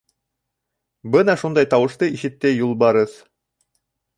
Бына шундай тауышты ишетте Юлбарыҫ.